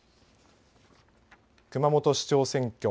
熊本市長選挙。